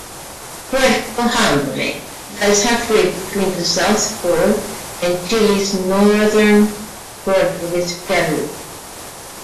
Puerto Hambre lies halfway between the South Pole and Chile's northern border with Peru.